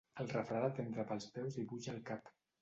El refredat entra pels peus i puja al cap.